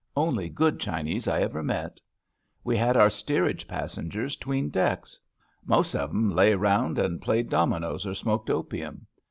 Only good Chinese I ever met. We had our steerage pas sengers 'tween decks. Most of 'em lay around and played dominoes or smoked opium.